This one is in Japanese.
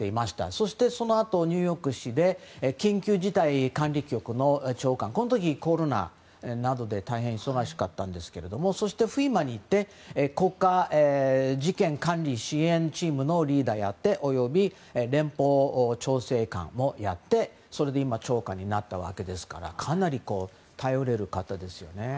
そしてそのあとニューヨーク市で緊急事態管理局の長官この時、コロナなどで大変忙しかったんですけどＦＥＭＡに行って国家事件管理支援チームのリーダー及び連邦調整官もやって今、長官になったわけですからかなり頼れる方ですよね。